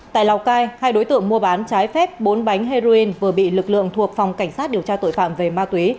tại lào cai hai đối tượng mua bán trái phép bốn bánh heroin vừa bị lực lượng thuộc phòng cảnh sát điều tra tội phạm về ma túy